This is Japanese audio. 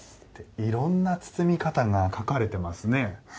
いろんな包み方が描かれていますね。